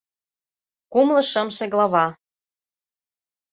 Кумло шымше глава